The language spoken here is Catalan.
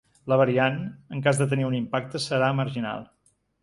La variant, en cas de tenir un impacte, serà marginal.